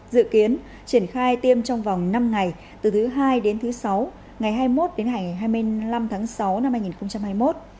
dự kiến triển khai tiêm trong vòng năm ngày từ thứ hai đến thứ sáu ngày hai mươi một đến ngày hai mươi năm tháng sáu năm hai nghìn hai mươi một